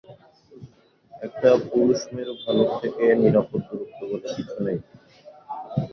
একটা পুরুষ মেরু ভালুক থেকে নিরাপদ দূরত্ব বলে কিছু নেই।